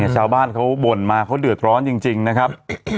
ชาวบ้านเขาบ่นมาเขาเดือดร้อนจริงนะครับ